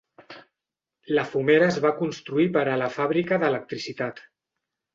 La fumera es va construir per a la fàbrica d'electricitat.